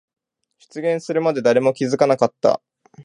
出現するまで誰も気づかなかった。